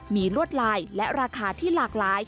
มีลวดลายและราคาที่หลากหลาย